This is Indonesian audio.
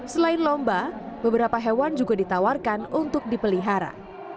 selain lomba beberapa hewan juga ditawarkan untuk dipelihara